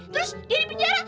terus dia dipenjara